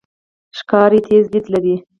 ښکاري تیز لید لري.